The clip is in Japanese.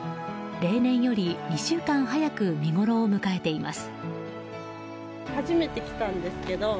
例年より２週間早く見ごろを迎えています。